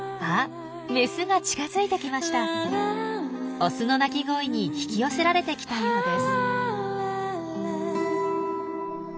オスの鳴き声に引き寄せられてきたようです。